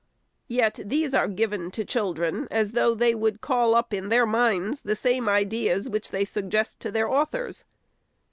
Yet these are given to children, as though they would call up in their minds the same ideas which they suggest to their authors.